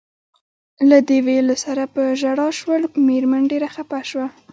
له دې ویلو سره په ژړا شول، مېرمن ډېره خپه شوه.